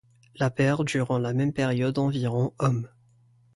La perd durant la même période environ hommes.